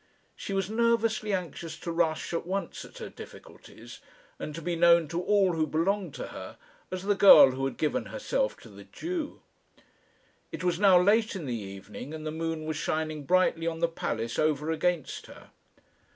She was nervously anxious to rush at once at her difficulties, and to be known to all who belonged to her as the girl who had given herself to the Jew. It was now late in the evening, and the moon was shining brightly on the palace over against her.